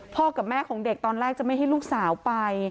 กับแม่ของเด็กตอนแรกจะไม่ให้ลูกสาวไป